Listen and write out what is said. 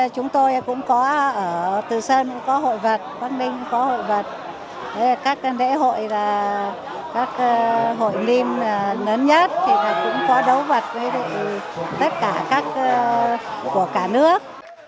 chúng tôi cũng có ở từ sơn có hội vật quang ninh có hội vật các đệ hội là các hội liên lớn nhất thì cũng có đấu vật với tất cả các của cả nước